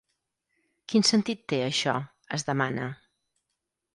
Quin sentit té, això?, es demana.